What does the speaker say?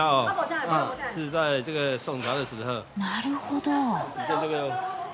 なるほど。